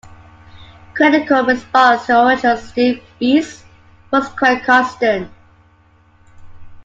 Critical response to the original "Steel Beasts" was quite consistent.